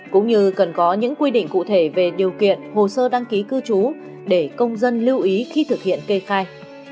cũng như cần có những quy định cụ thể về điều kiện hồ sơ đăng ký cư trú để công dân lưu ý khi thực hiện kê khai